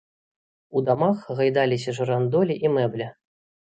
У дамах гайдаліся жырандолі і мэбля.